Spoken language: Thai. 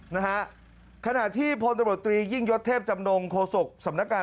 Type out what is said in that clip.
นะฮะขณะที่พลตำรวจตรียิ่งยศเทพจำนงโฆษกสำนักการ